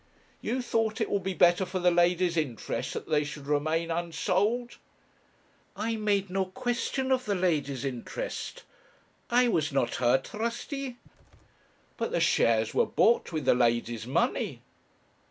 'You thought it would be better for the lady's interest that they should remain unsold?' 'I made no question of the lady's interest. I was not her trustee.' 'But the shares were bought with the lady's money.'